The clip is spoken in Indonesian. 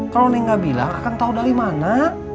kalau neng gak bilang akan tau dari mana